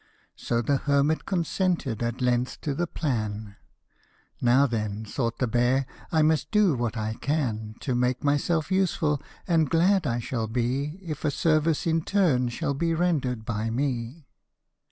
So the hermit consented, at length, to the plan. " Now then," thought the bear, " I must do what I can To make myself useful ; and glad I shall be If a service in turn shall be render'd by me."